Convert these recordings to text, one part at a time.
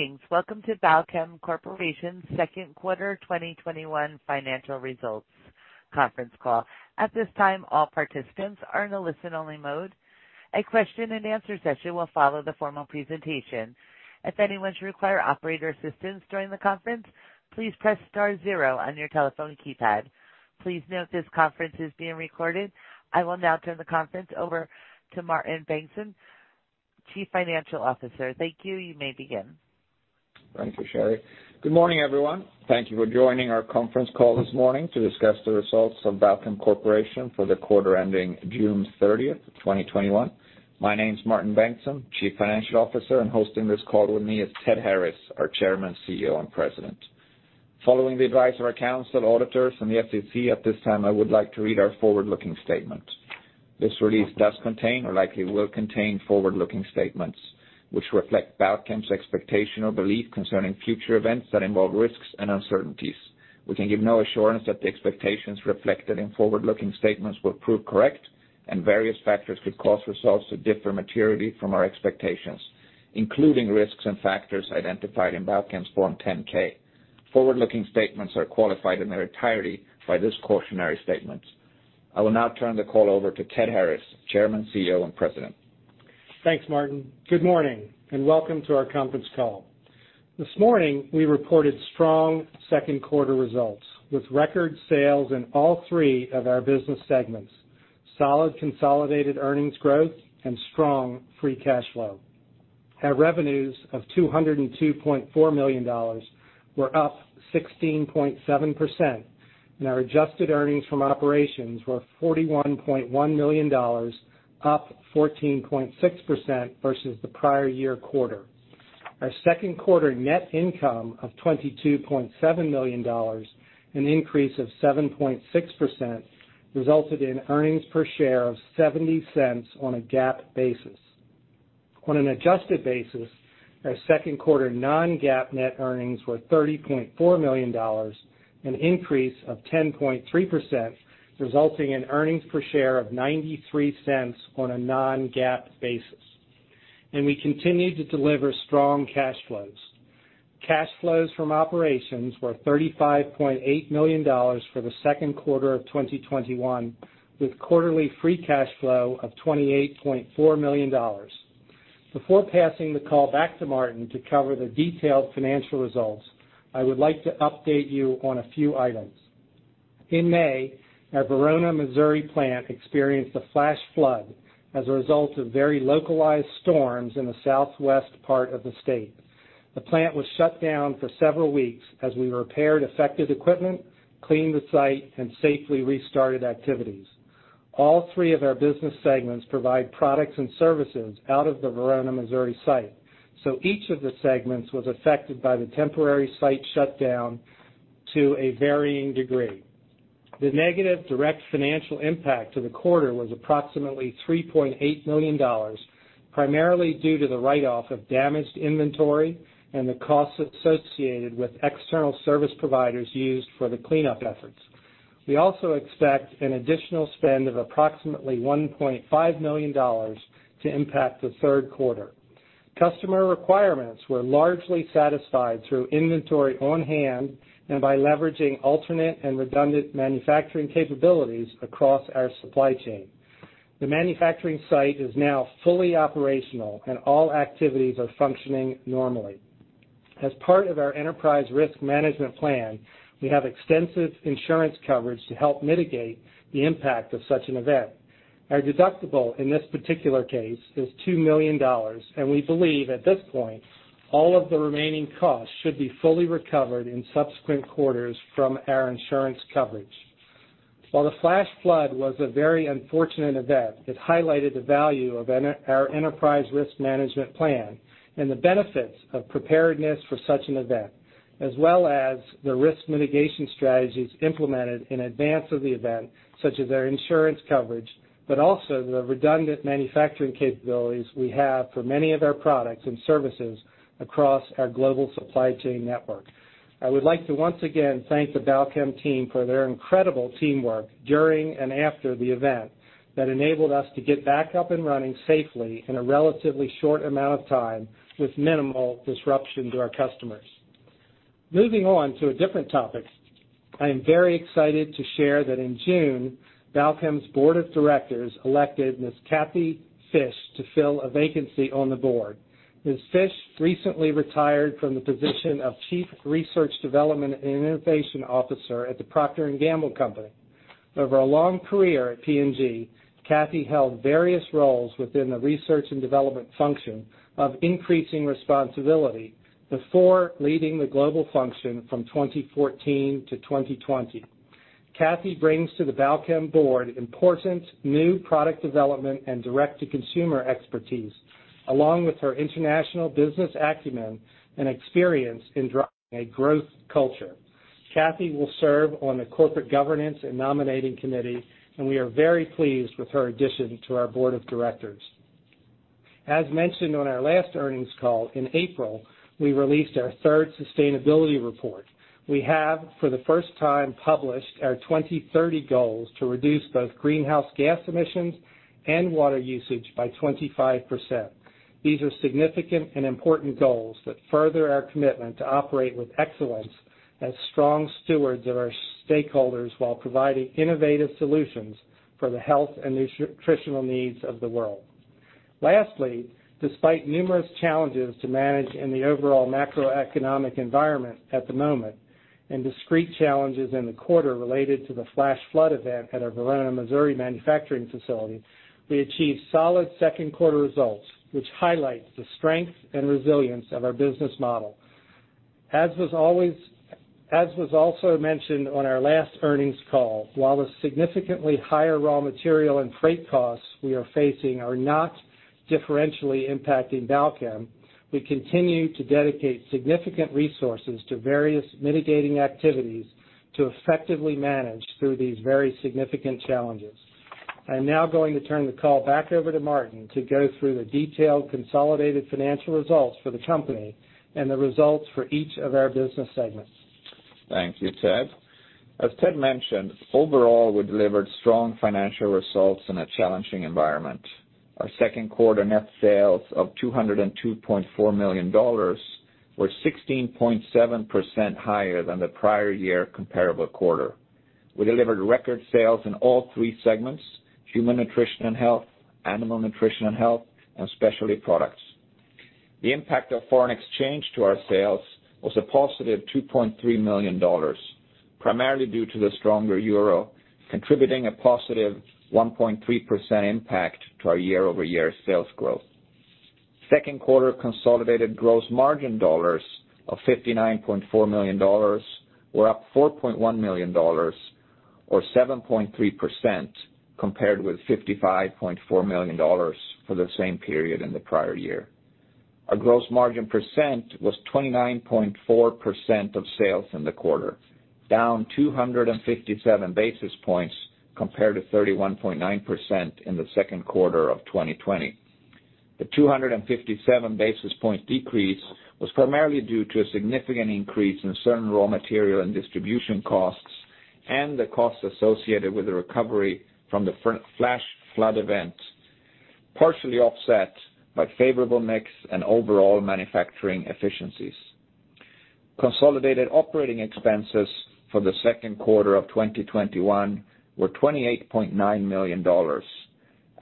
Greetings. Welcome to Balchem Corporation's second quarter 2021 financial results conference call. At this time, all participants are in a listen-only mode. A question and answer session will follow the formal presentation. If anyone should require operator assistance during the conference, please press star zero on your telephone keypad. Please note this conference is being recorded. I will now turn the conference over to Martin Bengtsson, Chief Financial Officer. Thank you. You may begin. Thank you, Sherry. Good morning, everyone. Thank you for joining our conference call this morning to discuss the results of Balchem Corporation for the quarter ending June 30th, 2021. My name's Martin Bengtsson, Chief Financial Officer, and hosting this call with me is Ted Harris, our Chairman, CEO, and President. Following the advice of our counsel, auditors, and the SEC, at this time, I would like to read our forward-looking statement. This release does contain or likely will contain forward-looking statements, which reflect Balchem's expectation or belief concerning future events that involve risks and uncertainties. We can give no assurance that the expectations reflected in forward-looking statements will prove correct, and various factors could cause results to differ materially from our expectations, including risks and factors identified in Balchem's Form 10-K. Forward-looking statements are qualified in their entirety by this cautionary statement. I will now turn the call over to Ted Harris, Chairman, CEO, and President. Thanks, Martin. Good morning, welcome to our conference call. This morning, we reported strong second quarter results with record sales in all three of our business segments, solid consolidated earnings growth, and strong free cash flow. Our revenues of $202.4 million were up 16.7%, our adjusted earnings from operations were $41.1 million, up 14.6% versus the prior year quarter. Our second quarter net income of $22.7 million, an increase of 7.6%, resulted in earnings per share of $0.70 on a GAAP basis. On an adjusted basis, our second quarter non-GAAP net earnings were $30.4 million, an increase of 10.3%, resulting in earnings per share of $0.93 on a non-GAAP basis. We continued to deliver strong cash flows. Cash flows from operations were $35.8 million for the second quarter of 2021, with quarterly free cash flow of $28.4 million. Before passing the call back to Martin to cover the detailed financial results, I would like to update you on a few items. In May, our Verona, Missouri plant experienced a flash flood as a result of very localized storms in the southwest part of the state. The plant was shut down for several weeks as we repaired affected equipment, cleaned the site, and safely restarted activities. All three of our business segments provide products and services out of the Verona, Missouri site, so each of the segments was affected by the temporary site shutdown to a varying degree. The negative direct financial impact to the quarter was approximately $3.8 million, primarily due to the write-off of damaged inventory and the costs associated with external service providers used for the cleanup efforts. We also expect an additional spend of approximately $1.5 million to impact the third quarter. Customer requirements were largely satisfied through inventory on hand and by leveraging alternate and redundant manufacturing capabilities across our supply chain. The manufacturing site is now fully operational, and all activities are functioning normally. As part of our enterprise risk management plan, we have extensive insurance coverage to help mitigate the impact of such an event. Our deductible in this particular case is $2 million, and we believe at this point, all of the remaining costs should be fully recovered in subsequent quarters from our insurance coverage. While the flash flood was a very unfortunate event, it highlighted the value of our enterprise risk management plan and the benefits of preparedness for such an event, as well as the risk mitigation strategies implemented in advance of the event, such as our insurance coverage, but also the redundant manufacturing capabilities we have for many of our products and services across our global supply chain network. I would like to once again thank the Balchem team for their incredible teamwork during and after the event that enabled us to get back up and running safely in a relatively short amount of time with minimal disruption to our customers. Moving on to a different topic, I am very excited to share that in June, Balchem's board of directors elected Ms. Kathy Fish to fill a vacancy on the board. Ms. Fish recently retired from the position of Chief Research, Development, and Innovation Officer at the Procter & Gamble Company. Over a long career at P&G, Kathy held various roles within the research and development function of increasing responsibility before leading the global function from 2014 to 2020. Kathy brings to the Balchem board important new product development and direct-to-consumer expertise, along with her international business acumen and experience in driving a growth culture. Kathy will serve on the Corporate Governance and Nominating Committee, and we are very pleased with her addition to our board of directors. As mentioned on our last earnings call in April, we released our third sustainability report. We have, for the first time, published our 2030 goals to reduce both greenhouse gas emissions and water usage by 25%. These are significant and important goals that further our commitment to operate with excellence as strong stewards of our stakeholders while providing innovative solutions for the health and nutritional needs of the world. Lastly, despite numerous challenges to manage in the overall macroeconomic environment at the moment, and discrete challenges in the quarter related to the flash flood event at our Verona, Missouri, manufacturing facility, we achieved solid second-quarter results, which highlights the strength and resilience of our business model. As was also mentioned on our last earnings call, while the significantly higher raw material and freight costs we are facing are not differentially impacting Balchem, we continue to dedicate significant resources to various mitigating activities to effectively manage through these very significant challenges. I'm now going to turn the call back over to Martin to go through the detailed consolidated financial results for the company and the results for each of our business segments. Thank you, Ted. As Ted mentioned, overall, we delivered strong financial results in a challenging environment. Our second quarter net sales of $202.4 million were 16.7% higher than the prior year comparable quarter. We delivered record sales in all three segments, Human Nutrition & Health, Animal Nutrition & Health, and Specialty Products. The impact of foreign exchange to our sales was a positive $2.3 million, primarily due to the stronger euro, contributing a +1.3% impact to our year-over-year sales growth. Second quarter consolidated gross margin dollars of $59.4 million were up $4.1 million or 7.3%, compared with $55.4 million for the same period in the prior year. Our gross margin percent was 29.4% of sales in the quarter, down 257 basis points compared to 31.9% in the second quarter of 2020. The 257 basis point decrease was primarily due to a significant increase in certain raw material and distribution costs and the costs associated with the recovery from the flash flood event, partially offset by favorable mix and overall manufacturing efficiencies. Consolidated operating expenses for the second quarter of 2021 were $28.9 million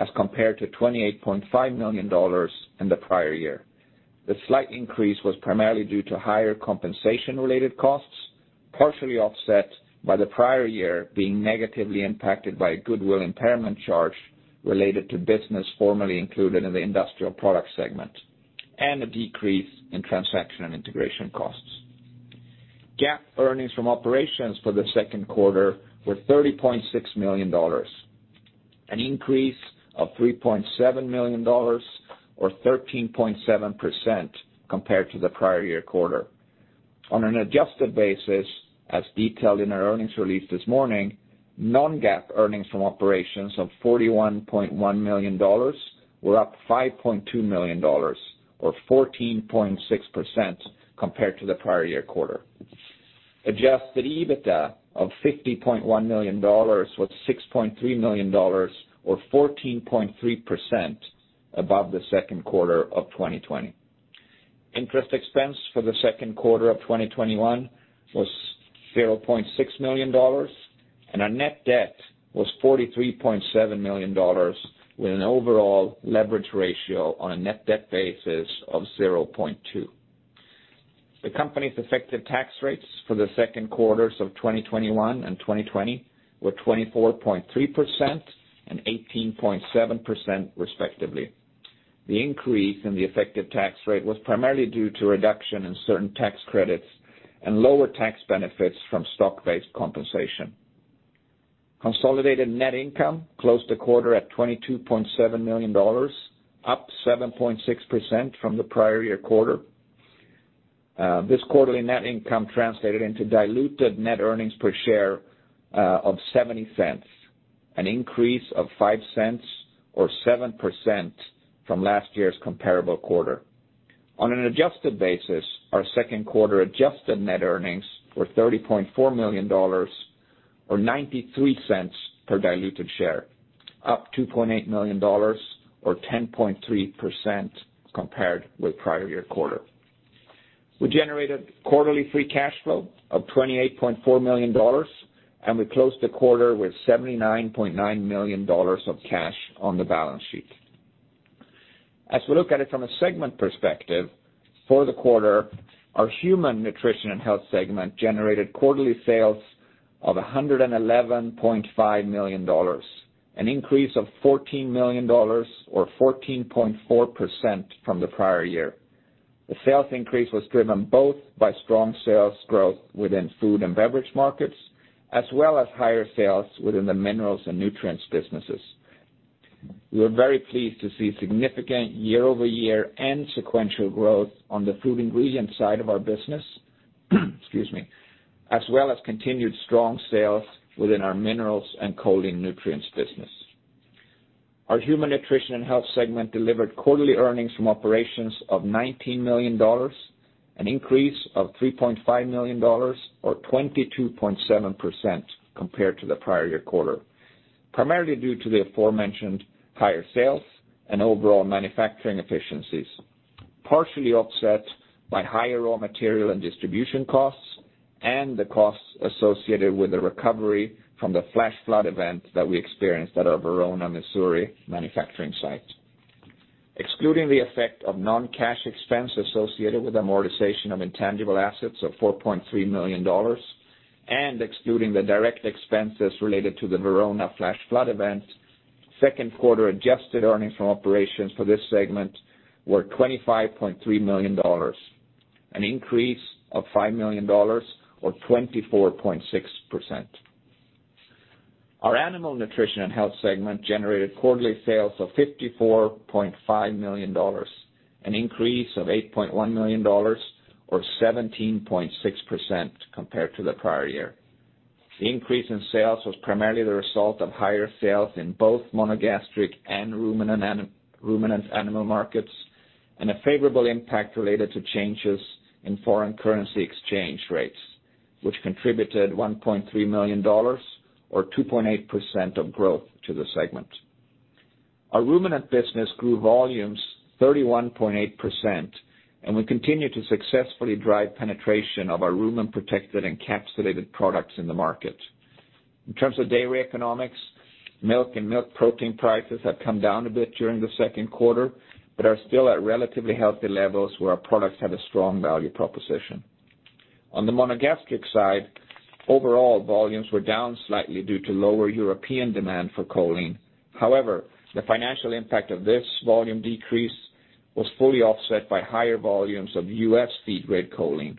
as compared to $28.5 million in the prior year. The slight increase was primarily due to higher compensation-related costs, partially offset by the prior year being negatively impacted by a goodwill impairment charge related to business formerly included in the Industrial Products segment, and a decrease in transaction and integration costs. GAAP earnings from operations for the second quarter were $30.6 million, an increase of $3.7 million or 13.7% compared to the prior year quarter. On an adjusted basis, as detailed in our earnings release this morning, non-GAAP earnings from operations of $41.1 million were up $5.2 million or 14.6% compared to the prior year quarter. Adjusted EBITDA of $50.1 million was $6.3 million or 14.3% above the second quarter of 2020. Interest expense for the second quarter of 2021 was $0.6 million, and our net debt was $43.7 million with an overall leverage ratio on a net debt basis of 0.2. The company's effective tax rates for the second quarters of 2021 and 2020 were 24.3% and 18.7% respectively. The increase in the effective tax rate was primarily due to reduction in certain tax credits and lower tax benefits from stock-based compensation. Consolidated net income closed the quarter at $22.7 million, up 7.6% from the prior year quarter. This quarterly net income translated into diluted net earnings per share of $0.70, an increase of $0.05 or 7% from last year's comparable quarter. On an adjusted basis, our second quarter adjusted net earnings were $30.4 million or $0.93 per diluted share, up $2.8 million or 10.3% compared with prior year quarter. We generated quarterly free cash flow of $28.4 million, and we closed the quarter with $79.9 million of cash on the balance sheet. As we look at it from a segment perspective, for the quarter, our Human Nutrition & Health segment generated quarterly sales of $111.5 million, an increase of $14 million or 14.4% from the prior year. The sales increase was driven both by strong sales growth within food and beverage markets, as well as higher sales within the minerals and nutrients businesses. We were very pleased to see significant year-over-year and sequential growth on the food ingredient side of our business, excuse me, as well as continued strong sales within our minerals and choline nutrients business. Our Human Nutrition & Health segment delivered quarterly earnings from operations of $19 million, an increase of $3.5 million or 22.7% compared to the prior year quarter. Primarily due to the aforementioned higher sales and overall manufacturing efficiencies, partially offset by higher raw material and distribution costs, and the costs associated with the recovery from the flash flood event that we experienced at our Verona, Missouri manufacturing site. Excluding the effect of non-cash expense associated with amortization of intangible assets of $4.3 million and excluding the direct expenses related to the Verona flash flood event, second quarter adjusted earnings from operations for this segment were $25.3 million, an increase of $5 million or 24.6%. Our Animal Nutrition & Health segment generated quarterly sales of $54.5 million, an increase of $8.1 million or 17.6% compared to the prior year. The increase in sales was primarily the result of higher sales in both monogastric and ruminant animal markets, and a favorable impact related to changes in foreign currency exchange rates, which contributed $1.3 million or 2.8% of growth to the segment. Our ruminant business grew volumes 31.8%, and we continue to successfully drive penetration of our rumen-protected encapsulated products in the market. In terms of dairy economics, milk and milk protein prices have come down a bit during the second quarter, but are still at relatively healthy levels where our products have a strong value proposition. On the monogastric side, overall volumes were down slightly due to lower European demand for choline. However, the financial impact of this volume decrease was fully offset by higher volumes of U.S. feed-grade choline,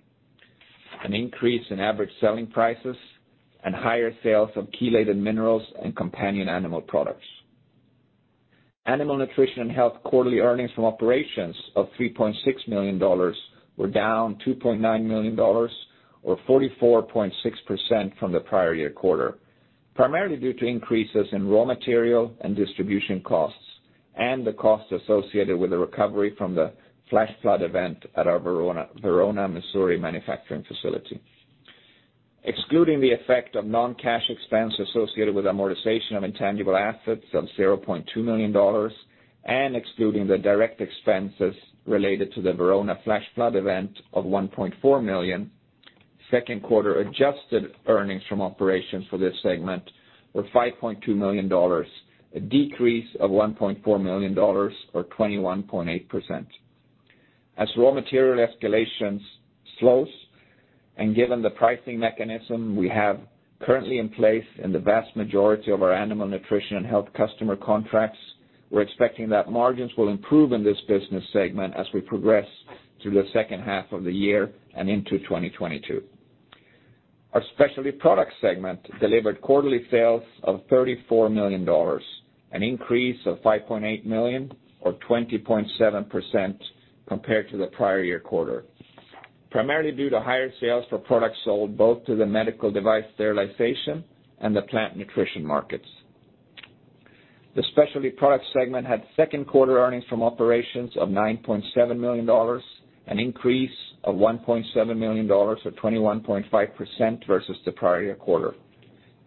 an increase in average selling prices, and higher sales of chelated minerals and companion animal products. Animal Nutrition & Health's quarterly earnings from operations of $3.6 million were down $2.9 million or 44.6% from the prior year quarter, primarily due to increases in raw material and distribution costs and the costs associated with the recovery from the flash flood event at our Verona, Missouri manufacturing facility. Excluding the effect of non-cash expense associated with amortization of intangible assets of $0.2 million and excluding the direct expenses related to the Verona flash flood event of $1.4 million, second quarter adjusted earnings from operations for this segment were $5.2 million, a decrease of $1.4 million or 21.8%. As raw material escalations slows, and given the pricing mechanism we have currently in place in the vast majority of our Animal Nutrition & Health customer contracts, we're expecting that margins will improve in this business segment as we progress through the second half of the year and into 2022. Our Specialty Products segment delivered quarterly sales of $34 million, an increase of $5.8 million or 20.7% compared to the prior year quarter, primarily due to higher sales for products sold both to the medical device sterilization and the plant nutrition markets. The Specialty Products segment had second-quarter earnings from operations of $9.7 million, an increase of $1.7 million or 21.5% versus the prior year quarter.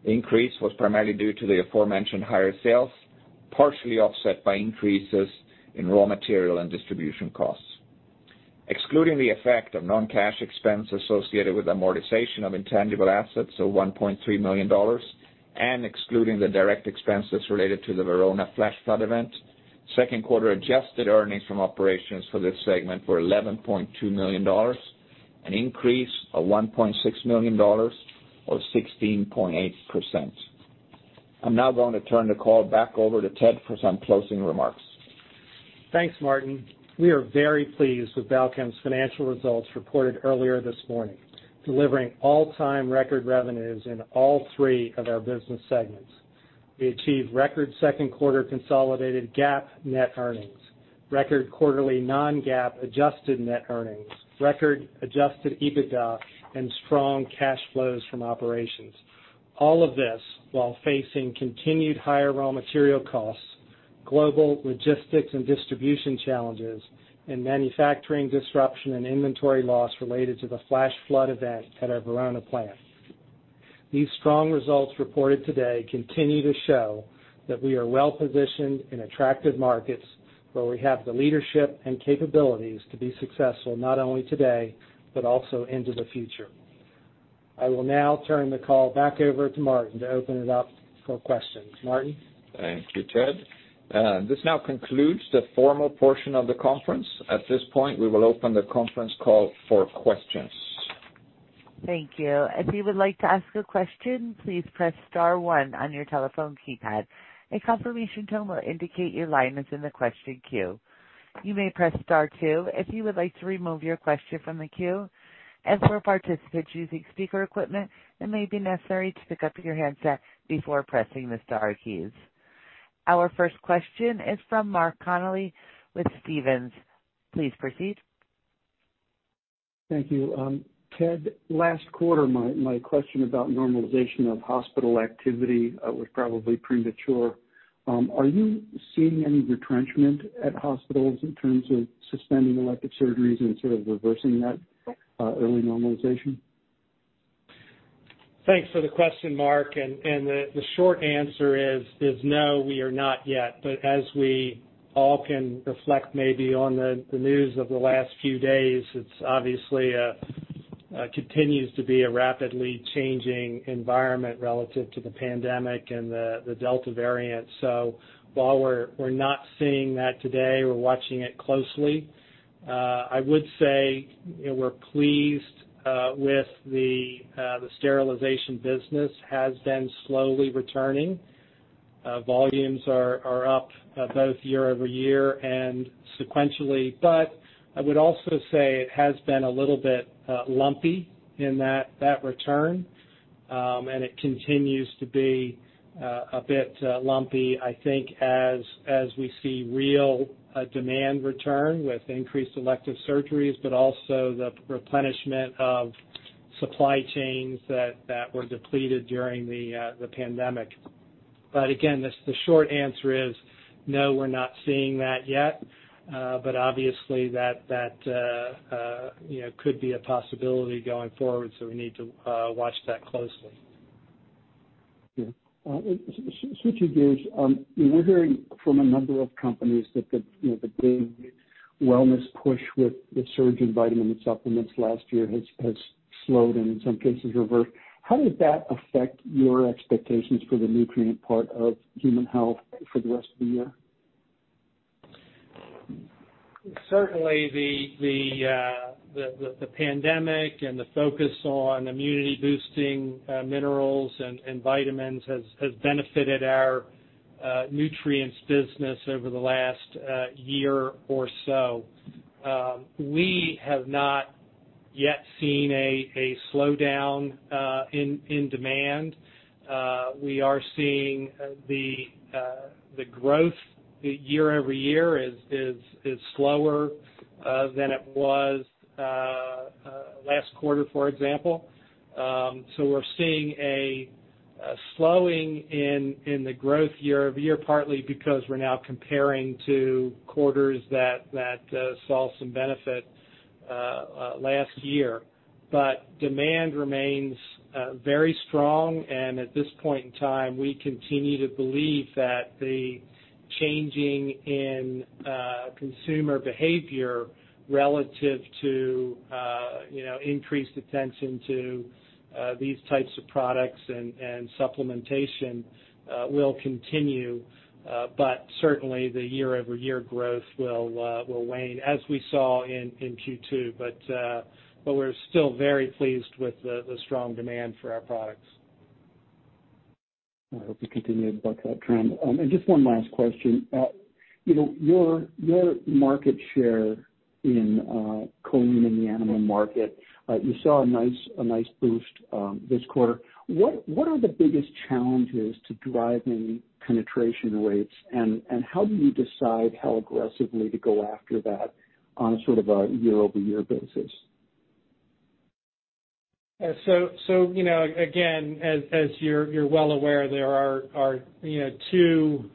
The increase was primarily due to the aforementioned higher sales, partially offset by increases in raw material and distribution costs. Excluding the effect of non-cash expense associated with amortization of intangible assets of $1.3 million and excluding the direct expenses related to the Verona flash flood event, second quarter adjusted earnings from operations for this segment were $11.2 million, an increase of $1.6 million or 16.8%. I'm now going to turn the call back over to Ted for some closing remarks. Thanks, Martin. We are very pleased with Balchem's financial results reported earlier this morning, delivering all-time record revenues in all three of our business segments. We achieved record second quarter consolidated GAAP net earnings, record quarterly non-GAAP adjusted net earnings, record adjusted EBITDA, and strong cash flows from operations. All of this while facing continued higher raw material costs, global logistics and distribution challenges, and manufacturing disruption and inventory loss related to the flash flood event at our Verona plant. These strong results reported today continue to show that we are well-positioned in attractive markets where we have the leadership and capabilities to be successful, not only today, but also into the future. I will now turn the call back over to Martin to open it up for questions. Martin? Thank you, Ted. This now concludes the formal portion of the conference. At this point, we will open the conference call for questions. Thank you. Our first question is from Mark Connelly with Stephens. Please proceed. Thank you. Ted, last quarter, my question about normalization of hospital activity was probably premature. Are you seeing any retrenchment at hospitals in terms of suspending elective surgeries and sort of reversing that early normalization? Thanks for the question, Mark. The short answer is no, we are not yet. As we all can reflect maybe on the news of the last few days, it obviously continues to be a rapidly changing environment relative to the pandemic and the Delta variant. While we're not seeing that today, we're watching it closely. I would say we're pleased with the sterilization business has been slowly returning. Volumes are up both year-over-year and sequentially. I would also say it has been a little bit lumpy in that return, and it continues to be a bit lumpy, I think, as we see real demand return with increased elective surgeries, but also the replenishment of supply chains that were depleted during the pandemic. Again, the short answer is no, we're not seeing that yet. Obviously, that could be a possibility going forward, so we need to watch that closely. Yeah. Switching gears. We're hearing from a number of companies that the big wellness push with the surge in vitamin and supplements last year has slowed and in some cases reversed. How does that affect your expectations for the nutrient part of human health for the rest of the year? Certainly, the pandemic and the focus on immunity-boosting minerals and vitamins has benefited our nutrients business over the last year or so. We have not yet seen a slowdown in demand. We are seeing the growth year-over-year is slower than it was last quarter, for example. We're seeing a slowing in the growth year-over-year, partly because we're now comparing to quarters that saw some benefit last year. Demand remains very strong, and at this point in time, we continue to believe that the changing in consumer behavior relative to increased attention to these types of products and supplementation will continue. Certainly, the year-over-year growth will wane, as we saw in Q2. We're still very pleased with the strong demand for our products. I hope you continue to buck that trend. Just one last question. Your market share in choline in the animal market, you saw a nice boost this quarter. What are the biggest challenges to driving penetration rates, and how do you decide how aggressively to go after that on a year-over-year basis? Again, as you're well aware, there are two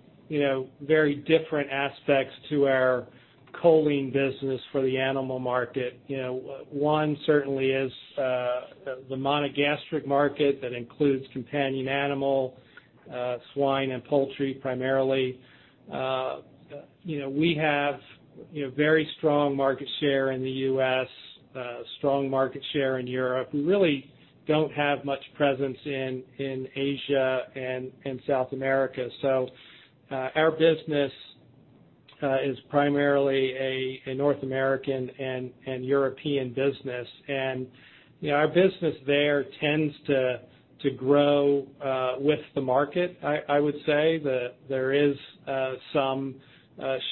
very different aspects to our choline business for the animal market. One, certainly is the monogastric market that includes companion animal, swine, and poultry primarily. We have very strong market share in the U.S., strong market share in Europe. We really don't have much presence in Asia and South America. Our business is primarily a North American and European business. Our business there tends to grow with the market, I would say. There is some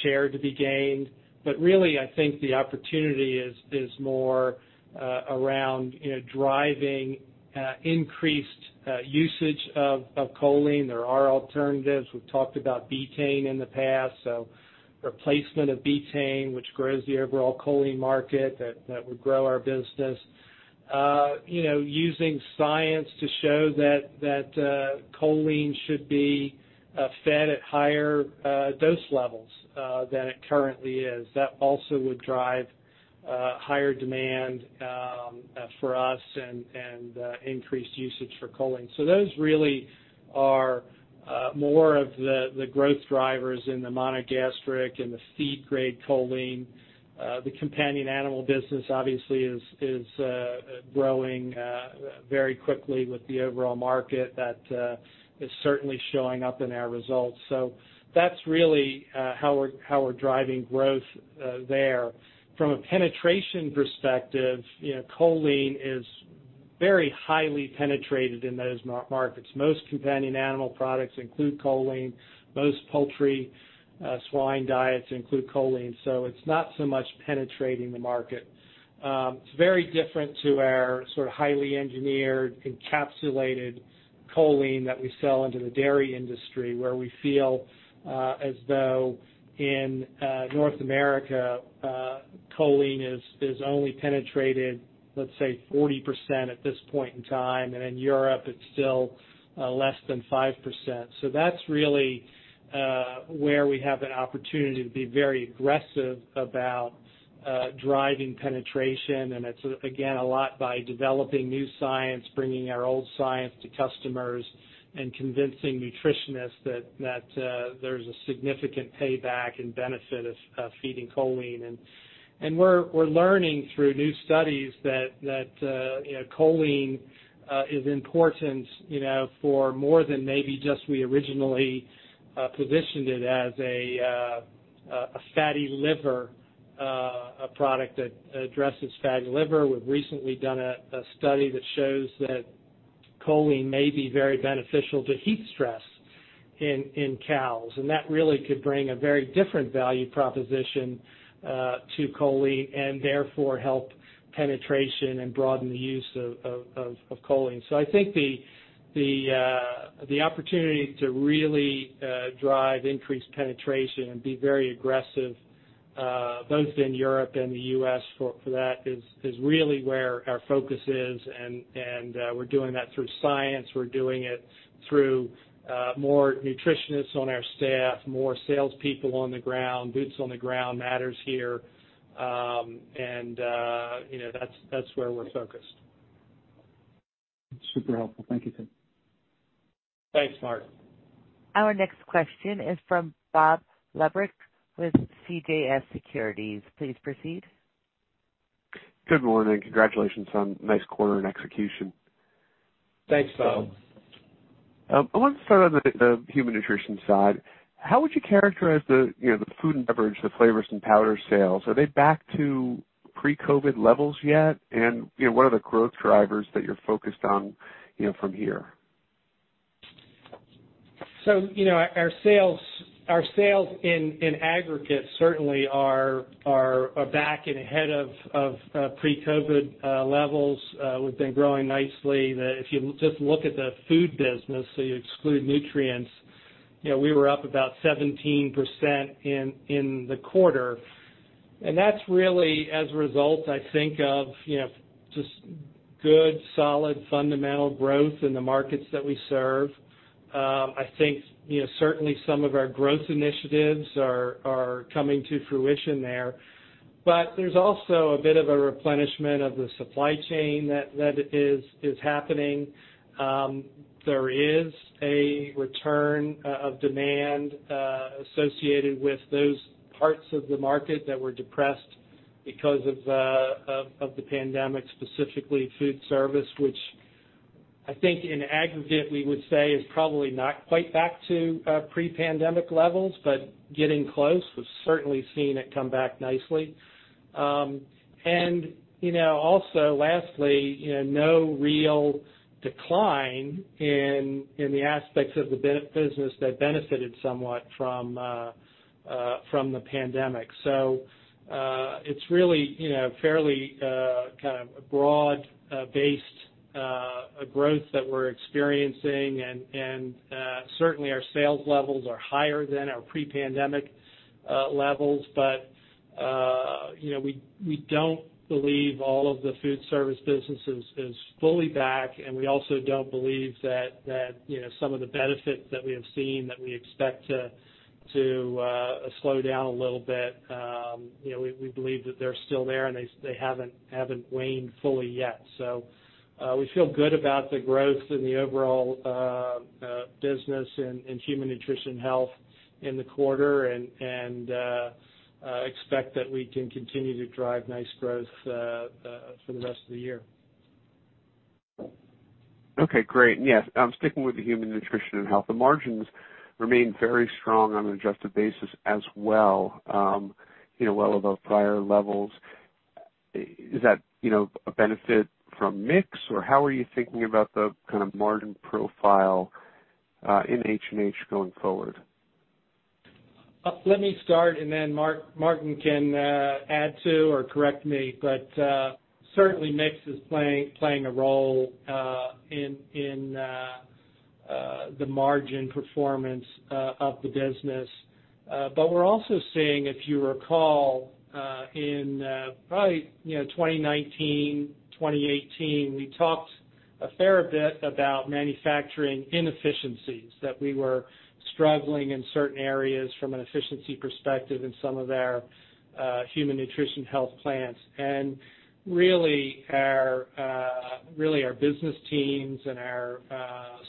share to be gained. Really, I think the opportunity is more around driving increased usage of choline. There are alternatives. We've talked about betaine in the past, so replacement of betaine, which grows the overall choline market, that would grow our business. Using science to show that choline should be fed at higher dose levels than it currently is. That also would drive higher demand for us and increased usage for choline. Those really are more of the growth drivers in the monogastric and the feed-grade choline. The companion animal business obviously is growing very quickly with the overall market. That is certainly showing up in our results. That's really how we're driving growth there. From a penetration perspective, choline is very highly penetrated in those markets. Most companion animal products include choline. Most poultry, swine diets include choline, so it's not so much penetrating the market. It's very different to our sort of highly engineered, encapsulated choline that we sell into the dairy industry, where we feel as though in North America, choline has only penetrated, let's say, 40% at this point in time, and in Europe it's still less than 5%. That's really where we have an opportunity to be very aggressive about driving penetration. It's, again, a lot by developing new science, bringing our old science to customers, and convincing nutritionists that there's a significant payback and benefit of feeding choline. We're learning through new studies that choline is important for more than maybe just we originally positioned it as a fatty liver, a product that addresses fatty liver. We've recently done a study that shows that choline may be very beneficial to heat stress in cows, and that really could bring a very different value proposition to choline, and therefore help penetration and broaden the use of choline. I think the opportunity to really drive increased penetration and be very aggressive, both in Europe and the U.S. for that is really where our focus is. We're doing that through science. We're doing it through more nutritionists on our staff, more salespeople on the ground. Boots on the ground matters here. That's where we're focused. Super helpful. Thank you, Ted. Thanks, Mark. Our next question is from Bob Labick with CJS Securities. Please proceed. Good morning. Congratulations on nice quarter and execution. Thanks, Bob. I wanted to start on the human nutrition side. How would you characterize the food and beverage, the flavors and powder sales? Are they back to pre-COVID levels yet? What are the growth drivers that you're focused on from here? Our sales in aggregate certainly are back and ahead of pre-COVID levels. We've been growing nicely. If you just look at the food business, so you exclude nutrients, we were up about 17% in the quarter. That's really as a result, I think of just good, solid, fundamental growth in the markets that we serve. I think certainly some of our growth initiatives are coming to fruition there. There's also a bit of a replenishment of the supply chain that is happening. There is a return of demand associated with those parts of the market that were depressed because of the pandemic, specifically food service, which I think in aggregate, we would say is probably not quite back to pre-pandemic levels, but getting close. We've certainly seen it come back nicely. Also lastly, no real decline in the aspects of the business that benefited somewhat from the pandemic. It's really fairly a broad-based growth that we're experiencing, and certainly our sales levels are higher than our pre-pandemic levels. We don't believe all of the food service business is fully back, and we also don't believe that some of the benefits that we have seen that we expect to slow down a little bit. We believe that they're still there, and they haven't waned fully yet. We feel good about the growth in the overall business in Human Nutrition & Health in the quarter and expect that we can continue to drive nice growth for the rest of the year. Okay, great. Yes, sticking with the Human Nutrition & Health, the margins remain very strong on an adjusted basis as well. Well above prior levels. Is that a benefit from mix, or how are you thinking about the kind of margin profile in HNH going forward? Let me start and then Martin can add to or correct me, but certainly, mix is playing a role in the margin performance of the business. We're also seeing, if you recall, in probably 2019, 2018, we talked a fair bit about manufacturing inefficiencies. That we were struggling in certain areas from an efficiency perspective in some of our Human Nutrition & Health plans. Really, our business teams and our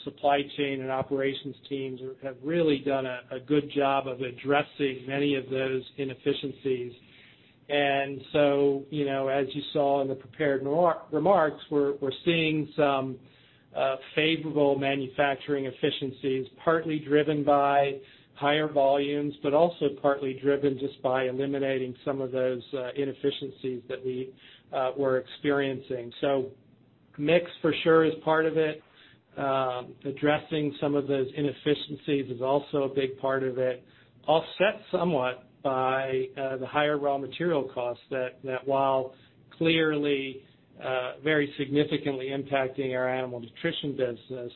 supply chain and operations teams have really done a good job of addressing many of those inefficiencies. As you saw in the prepared remarks, we're seeing some favorable manufacturing efficiencies, partly driven by higher volumes, but also partly driven just by eliminating some of those inefficiencies that we were experiencing. Mix for sure is part of it. Addressing some of those inefficiencies is also a big part of it, offset somewhat by the higher raw material costs that while clearly very significantly impacting our Animal Nutrition & Health business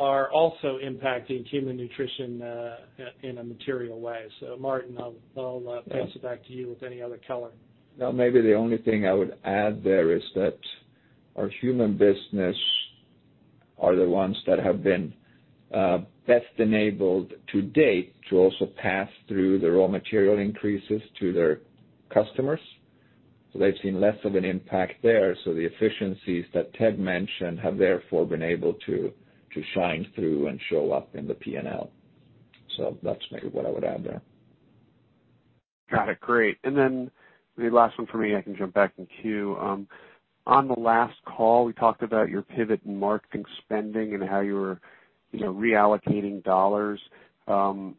are also impacting Human Nutrition in a material way. Martin, I'll pass it back to you with any other color. Maybe the only thing I would add there is that our human business are the ones that have been best enabled to date to also pass through the raw material increases to their customers. They've seen less of an impact there. The efficiencies that Ted mentioned have therefore been able to shine through and show up in the P&L. That's maybe what I would add there. Got it. Great. Then the last one from me, I can jump back in queue. On the last call, we talked about your pivot in marketing spending and how you were reallocating dollars. Can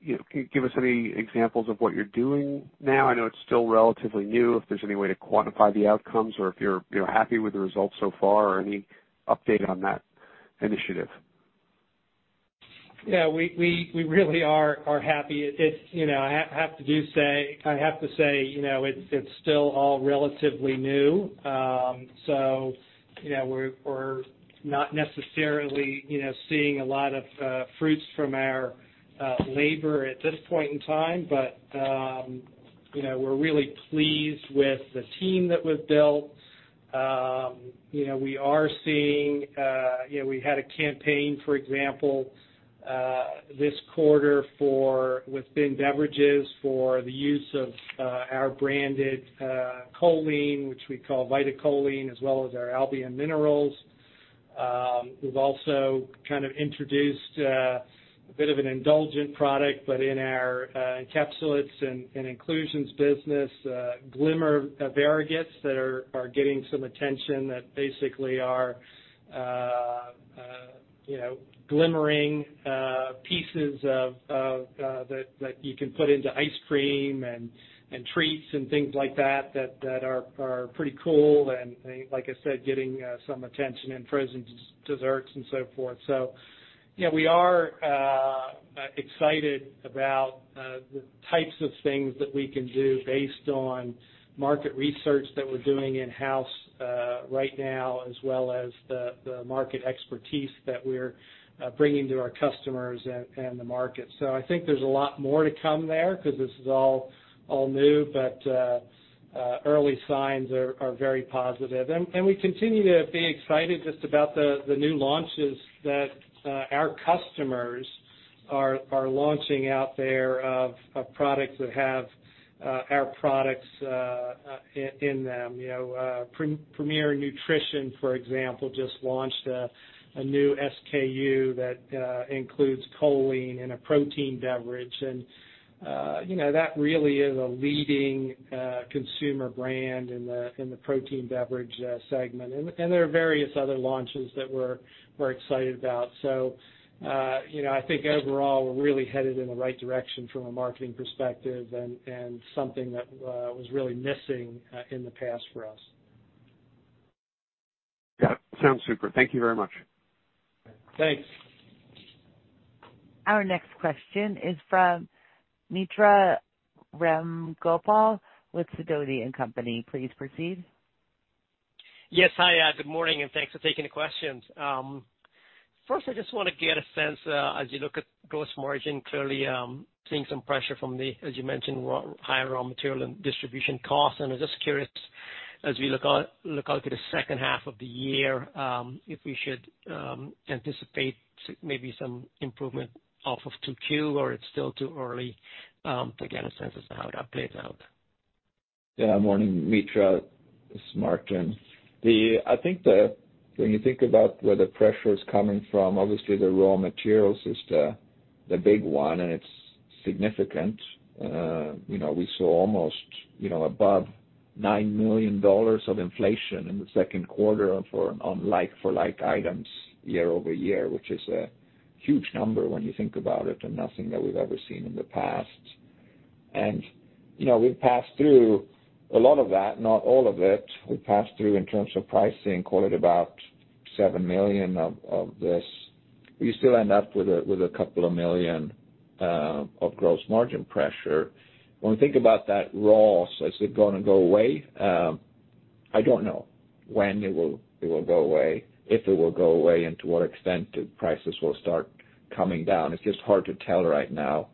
you give us any examples of what you're doing now? I know it's still relatively new. If there's any way to quantify the outcomes or if you're happy with the results so far or any update on that initiative. Yeah, we really are happy. I have to say, it's still all relatively new. We're not necessarily seeing a lot of fruits from our labor at this point in time. We're really pleased with the team that was built. We had a campaign, for example, this quarter within beverages for the use of our branded choline, which we call VitaCholine, as well as our Albion Minerals. We've also kind of introduced a bit of an indulgent product, but in our encapsulates and inclusions business, glimmer variegates that are getting some attention that basically are glimmering pieces that you can put into ice cream and treats and things like that that are pretty cool and, like I said, getting some attention in frozen desserts and so forth. We are excited about the types of things that we can do based on market research that we're doing in-house right now, as well as the market expertise that we're bringing to our customers and the market. I think there's a lot more to come there because this is all new, but early signs are very positive. We continue to be excited just about the new launches that our customers are launching out there of products that have our products in them. Premier Nutrition, for example, just launched a new SKU that includes choline in a protein beverage. That really is a leading consumer brand in the protein beverage segment. There are various other launches that we're excited about. I think overall, we're really headed in the right direction from a marketing perspective, and something that was really missing in the past for us. Yeah. Sounds super. Thank you very much. Thanks. Our next question is from Mitra Ramgopal with Sidoti & Company. Please proceed. Yes, hi. Good morning, and thanks for taking the questions. First, I just want to get a sense, as you look at gross margin, clearly seeing some pressure from the, as you mentioned, higher raw material and distribution costs. I'm just curious as we look out to the second half of the year, if we should anticipate maybe some improvement off of 2Q or it's still too early to get a sense as to how that plays out. Morning, Mitra. It's Martin. I think when you think about where the pressure is coming from, obviously the raw materials is the big one, and it's significant. We saw almost above $9 million of inflation in the second quarter on like-for-like items year-over-year, which is a huge number when you think about it, and nothing that we've ever seen in the past. We've passed through a lot of that, not all of it. We passed through in terms of pricing, call it about $7 million of this. We still end up with a couple of million of gross margin pressure. When we think about that raw, is it going to go away? I don't know when it will go away, if it will go away, and to what extent prices will start coming down. It's just hard to tell right now.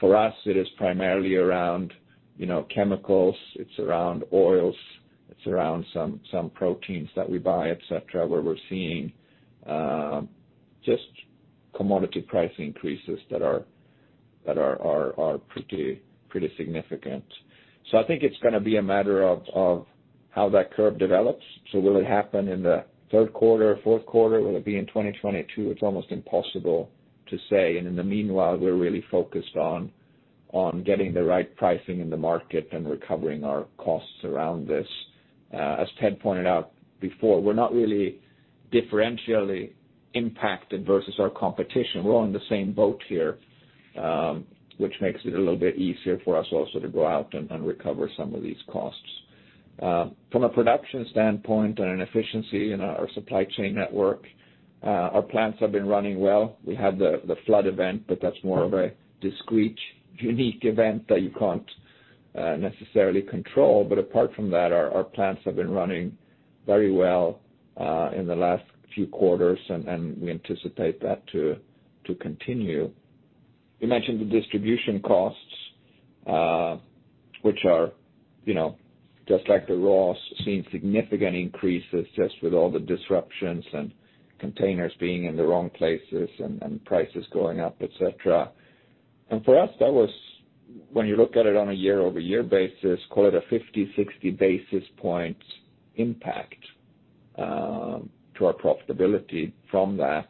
For us, it is primarily around chemicals, it's around oils, it's around some proteins that we buy, et cetera, where we're seeing just commodity price increases that are pretty significant. I think it's going to be a matter of how that curve develops. Will it happen in the third quarter, fourth quarter? Will it be in 2022? It's almost impossible to say. In the meanwhile, we're really focused on getting the right pricing in the market and recovering our costs around this. As Ted pointed out before, we're not really differentially impacted versus our competition. We're on the same boat here, which makes it a little bit easier for us also to go out and recover some of these costs. From a production standpoint and an efficiency in our supply chain network, our plants have been running well. We had the flood event, but that's more of a discrete, unique event that you can't necessarily control. Apart from that, our plants have been running very well in the last few quarters, and we anticipate that to continue. You mentioned the distribution costs, which are just like the raw, seen significant increases just with all the disruptions and containers being in the wrong places and prices going up, et cetera. For us, that was, when you look at it on a year-over-year basis, call it a 50, 60 basis points impact to our profitability from that.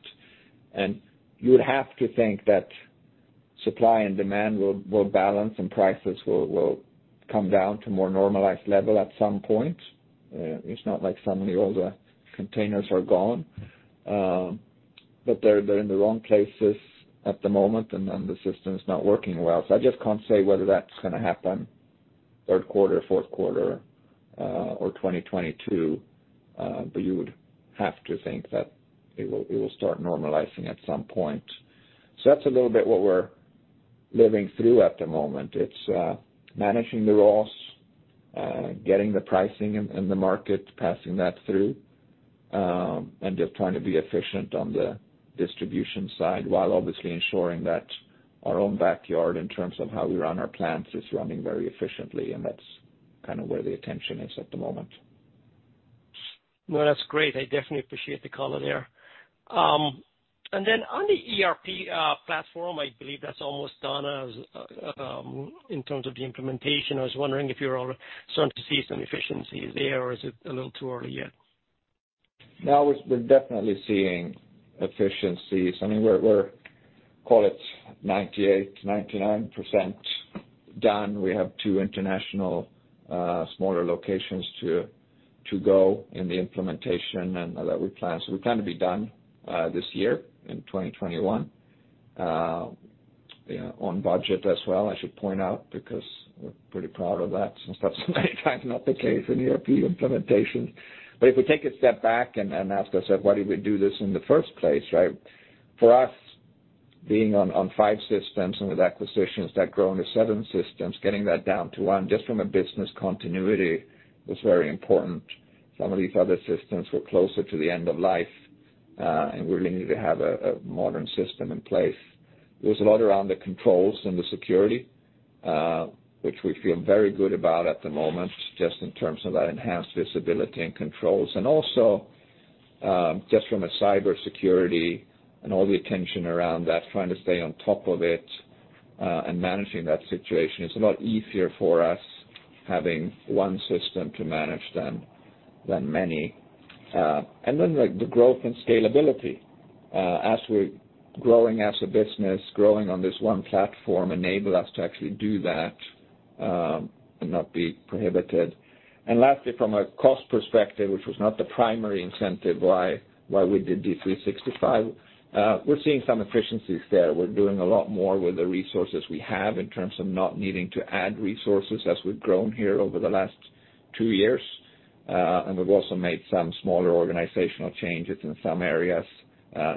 You would have to think that supply and demand will balance and prices will come down to more normalized level at some point. It's not like suddenly all the containers are gone. They're in the wrong places at the moment, and the system's not working well. I just can't say whether that's going to happen third quarter, fourth quarter, or 2022. But you would have to think that it will start normalizing at some point. That's a little bit what we're living through at the moment. It's managing the raw, getting the pricing in the market, passing that through, and just trying to be efficient on the distribution side while obviously ensuring that our own backyard, in terms of how we run our plants, is running very efficiently, and that's kind of where the attention is at the moment. Well, that's great. I definitely appreciate the color there. On the ERP platform, I believe that's almost done in terms of the implementation. I was wondering if you're all starting to see some efficiencies there, or is it a little too early yet? No, we're definitely seeing efficiencies. I mean, we're, call it 98%, 99% done. We have two international smaller locations to go in the implementation, and that we plan. We plan to be done this year in 2021. On budget as well, I should point out, because we're pretty proud of that, since that's many times not the case in ERP implementation. If we take a step back and ask ourselves why did we do this in the first place, right? For us, being on five systems and with acquisitions that grow into seven systems, getting that down to one, just from a business continuity was very important. Some of these other systems were closer to the end of life, and we really need to have a modern system in place. There's a lot around the controls and the security, which we feel very good about at the moment, just in terms of that enhanced visibility and controls. Also, just from a cybersecurity and all the attention around that, trying to stay on top of it, and managing that situation, it's a lot easier for us having one system to manage than many. Then the growth and scalability. As we're growing as a business, growing on this one platform enable us to actually do that, and not be prohibited. Lastly, from a cost perspective, which was not the primary incentive why we did D365, we're seeing some efficiencies there. We're doing a lot more with the resources we have in terms of not needing to add resources as we've grown here over the last two years. We've also made some smaller organizational changes in some areas,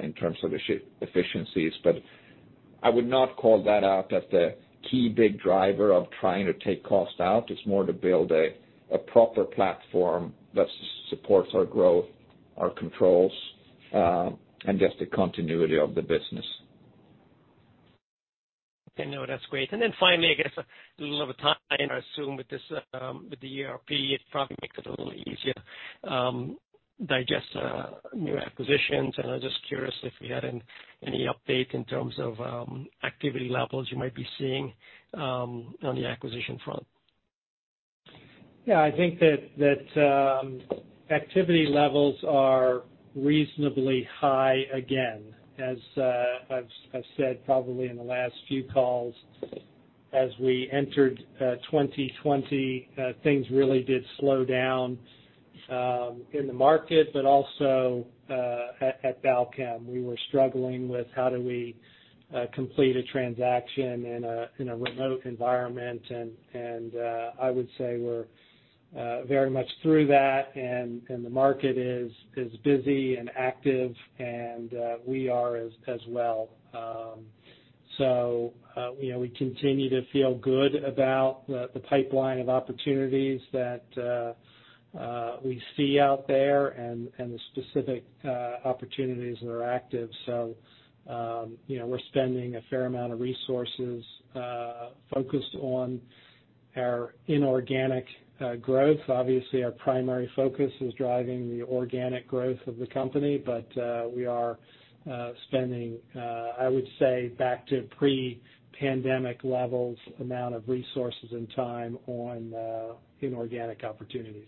in terms of efficiencies. I would not call that out as the key big driver of trying to take cost out. It's more to build a proper platform that supports our growth, our controls, and just the continuity of the business. Okay, no, that's great. Finally, I guess a little over time, I assume with the ERP, it probably makes it a little easier digest new acquisitions. I was just curious if you had any update in terms of activity levels you might be seeing on the acquisition front. Yeah, I think that activity levels are reasonably high again. As I've said probably in the last few calls, as we entered 2020, things really did slow down in the market, but also at Balchem. We were struggling with how do we complete a transaction in a remote environment. I would say we're very much through that, the market is busy and active, we are as well. We continue to feel good about the pipeline of opportunities that we see out there and the specific opportunities that are active. We're spending a fair amount of resources focused on our inorganic growth. Obviously, our primary focus is driving the organic growth of the company, but we are spending, I would say back to pre-pandemic levels amount of resources and time on inorganic opportunities.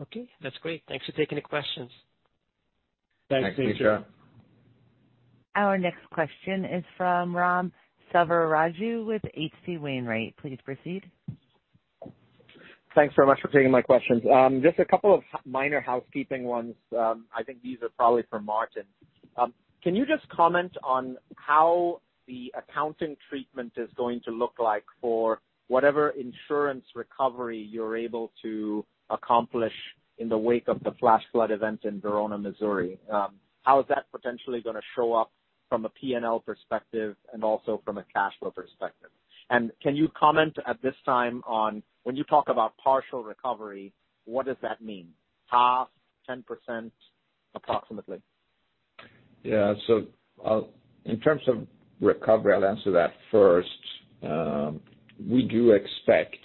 Okay, that's great. Thanks for taking the questions. Thanks, Mitra. Thanks, Mitra. Our next question is from Ram Selvaraju with H.C. Wainwright. Please proceed. Thanks very much for taking my questions. Just a couple of minor housekeeping ones. I think these are probably for Martin. Can you just comment on how the accounting treatment is going to look like for whatever insurance recovery you're able to accomplish in the wake of the flash flood event in Verona, Missouri? How is that potentially gonna show up from a P&L perspective and also from a cash flow perspective? Can you comment at this time on when you talk about partial recovery, what does that mean? Half, 10% approximately? In terms of recovery, I'll answer that first. We do expect,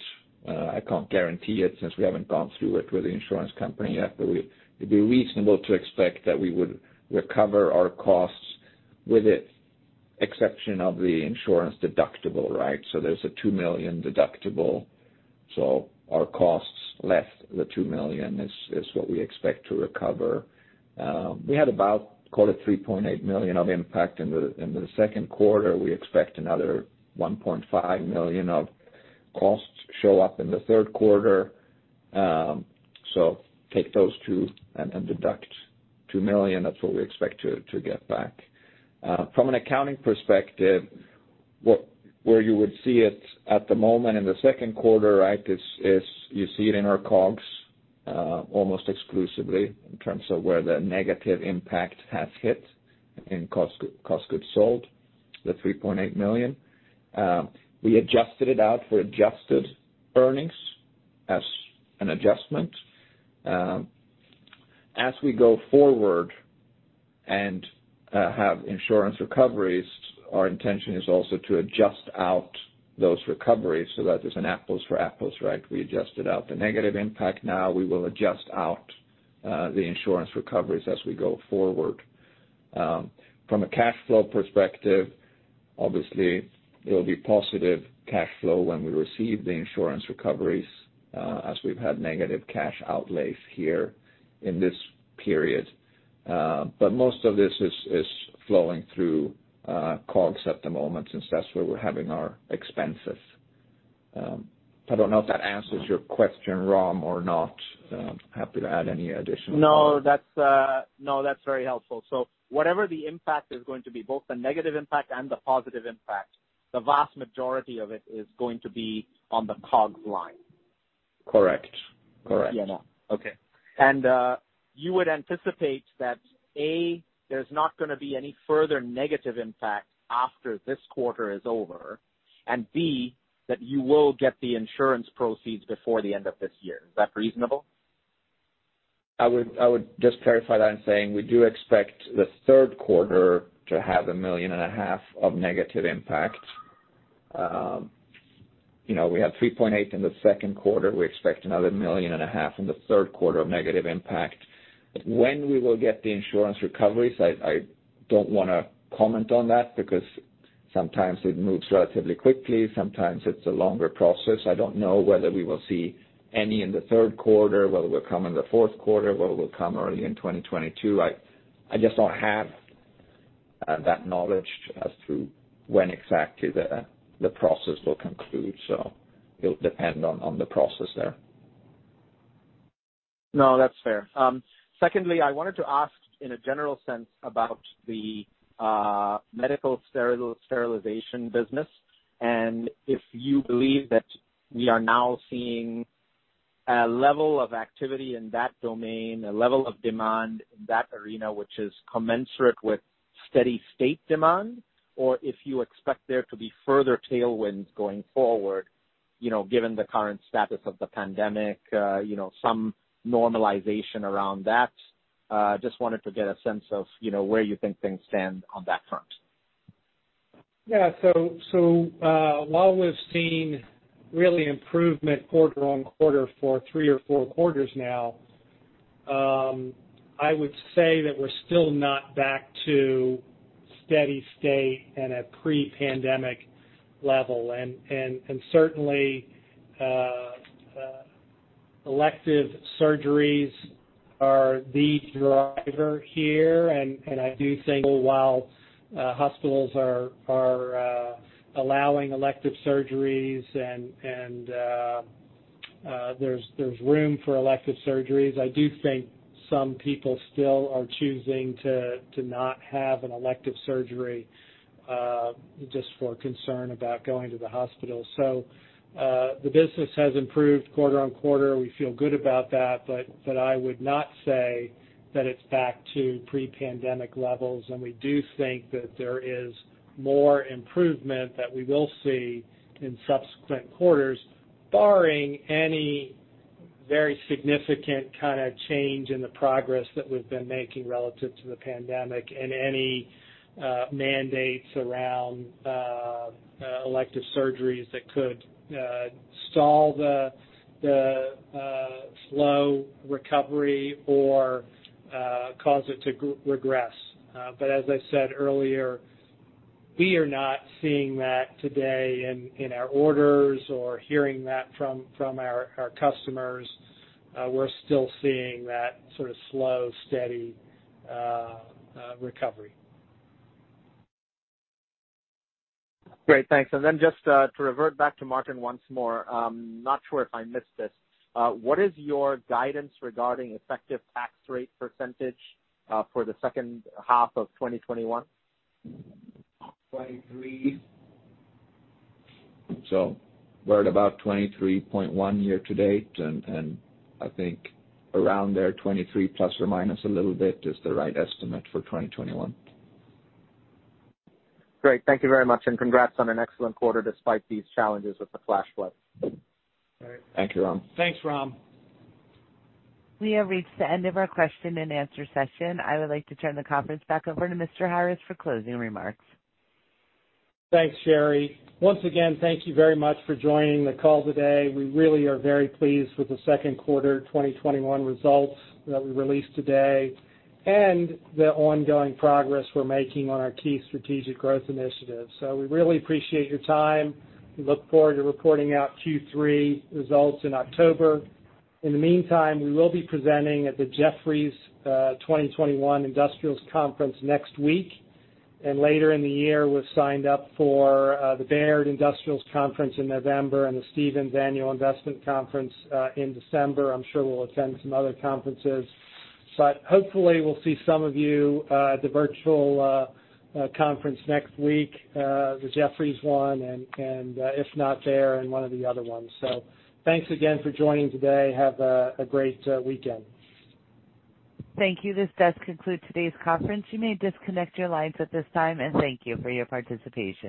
I can't guarantee it since we haven't gone through it with the insurance company yet, but it'd be reasonable to expect that we would recover our costs with the exception of the insurance deductible, right? There's a $2 million deductible. Our costs less the $2 million is what we expect to recover. We had about, call it $3.8 million of impact in the second quarter. We expect another $1.5 million of costs to show up in the third quarter. Take those two and deduct $2 million. That's what we expect to get back. From an accounting perspective, where you would see it at the moment in the second quarter, right, is you see it in our COGS, almost exclusively, in terms of where the negative impact has hit in cost of goods sold, the $3.8 million. We adjusted it out for adjusted earnings as an adjustment. As we go forward and have insurance recoveries, our intention is also to adjust out those recoveries so that there's an apples for apples, right? We adjusted out the negative impact. Now we will adjust out the insurance recoveries as we go forward. From a cash flow perspective, obviously, it'll be positive cash flow when we receive the insurance recoveries, as we've had negative cash outlays here in this period. Most of this is flowing through COGS at the moment since that's where we're having our expenses. I don't know if that answers your question, Ram, or not. I'm happy to add any additional comment. No, that's very helpful. Whatever the impact is going to be, both the negative impact and the positive impact, the vast majority of it is going to be on the COGS line. Correct. Yeah. Okay. You would anticipate that, A, there's not going to be any further negative impact after this quarter is over, and B, that you will get the insurance proceeds before the end of this year. Is that reasonable? I would just clarify that in saying we do expect the third quarter to have a $1.5 million of negative impact. We had $3.8 million in the second quarter. We expect another $1.5 million in the third quarter of negative impact. When we will get the insurance recoveries, I don't want to comment on that because sometimes it moves relatively quickly, sometimes it's a longer process. I don't know whether we will see any in the third quarter, whether it will come in the fourth quarter, whether it will come early in 2022. I just don't have that knowledge as to when exactly the process will conclude. It'll depend on the process there. No, that's fair. Secondly, I wanted to ask in a general sense about the medical sterilization business, and if you believe that we are now seeing a level of activity in that domain, a level of demand in that arena which is commensurate with steady state demand, or if you expect there to be further tailwinds going forward, given the current status of the pandemic, some normalization around that. Just wanted to get a sense of where you think things stand on that front. Yeah. While we've seen really improvement quarter-on-quarter for three or four quarters now, I would say that we're still not back to steady state and a pre-pandemic level. Certainly, elective surgeries are the driver here, and I do think while hospitals are allowing elective surgeries and there's room for elective surgeries, I do think some people still are choosing to not have an elective surgery, just for concern about going to the hospital. The business has improved quarter-on-quarter. We feel good about that, but I would not say that it's back to pre-pandemic levels, and we do think that there is more improvement that we will see in subsequent quarters, barring any very significant kind of change in the progress that we've been making relative to the pandemic and any mandates around elective surgeries that could stall the slow recovery or cause it to regress. As I said earlier, we are not seeing that today in our orders or hearing that from our customers. We're still seeing that sort of slow, steady recovery. Great. Thanks. Just to revert back to Martin once more. I'm not sure if I missed this. What is your guidance regarding effective tax rate percentage for the second half of 2021? 23%. We're at about 23.1% year to date, and I think around there, 23% ± a little bit is the right estimate for 2021. Great. Thank you very much, and congrats on an excellent quarter despite these challenges with the flash flood. Thank you, Ram. Thanks, Ram. We have reached the end of our question and answer session. I would like to turn the conference back over to Mr. Harris for closing remarks. Thanks, Sherry. Once again, thank you very much for joining the call today. We really are very pleased with the second quarter 2021 results that we released today and the ongoing progress we're making on our key strategic growth initiatives. We really appreciate your time. We look forward to reporting our Q3 results in October. In the meantime, we will be presenting at the Jefferies 2021 Industrials Conference next week, and later in the year, we're signed up for the Baird Industrials Conference in November and the Stephens Annual Investment Conference in December. I'm sure we'll attend some other conferences. Hopefully, we'll see some of you at the virtual conference next week, the Jefferies one, and if not there, in one of the other ones. Thanks again for joining today. Have a great weekend. Thank you. This does conclude today's conference. You may disconnect your lines at this time. Thank you for your participation.